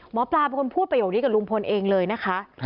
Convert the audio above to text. หมอปลาเป็นคนพูดประโยคนี้กับลุงพลเองเลยนะคะ